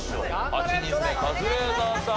８人目カズレーザーさん